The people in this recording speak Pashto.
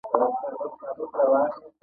آیا ایران مقاومت نه دی کړی؟